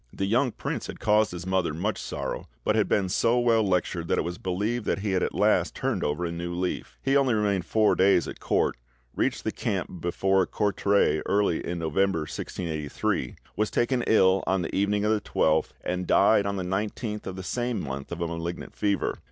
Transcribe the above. The young prince had caused his mother much sorrow, but had been so well lectured that it was believed that he had at last turned over a new leaf." He only remained four days at court, reached the camp before Courtrai early in November 1683, was taken ill on the evening of the 12th, and died on the 19th of the same month of a malignant fever.